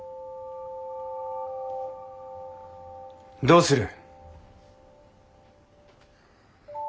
どうする？